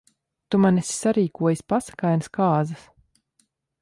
Tu man esi sarīkojis pasakainas kāzas.